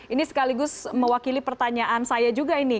ini sekaligus mewakili pertanyaan saya juga ini